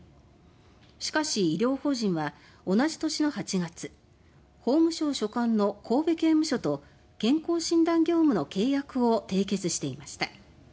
しかし、医療法人は同じ年の８月法務省所管の神戸刑務所と健康診断業務の契約を締結していました。